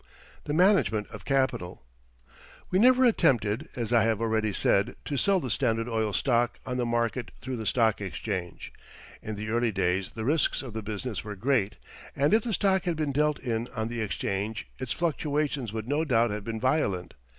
THE MANAGEMENT OF CAPITAL We never attempted, as I have already said, to sell the Standard Oil stock on the market through the Stock Exchange. In the early days the risks of the business were great, and if the stock had been dealt in on the Exchange its fluctuations would no doubt have been violent.